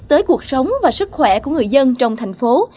tới cuộc sống và sức khỏe của người dân trong thành phố